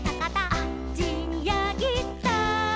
「あっちにやぎだ」